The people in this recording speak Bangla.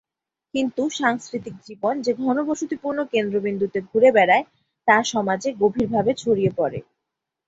কিন্তু সাংস্কৃতিক জীবন যে ঘনবসতিপূর্ণ কেন্দ্রবিন্দুতে ঘুরে বেড়ায় তা সমাজে গভীরভাবে ছড়িয়ে পড়ে।